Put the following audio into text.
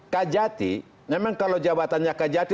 kjati memang kalau jabatannya kjati